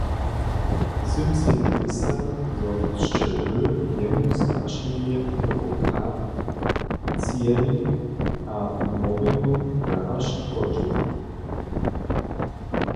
Sym sebi wěsta, zo sće wy jemu z wašemi prowokacijemi a mobbingom jara škodźeli.